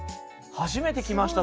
初めて来ました